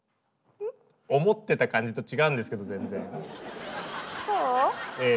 思ってた感じと違うんですけどぜんぜん。